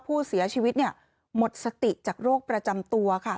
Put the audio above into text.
ผู้เสียชีวิตเนี่ยหมดสติจากโรคประจำตัวค่ะ